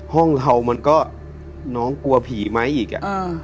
ห้องเรามันก็น้องกลัวผีไหมอีก